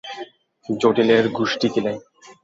জটিলের গুষ্টি কিলাই!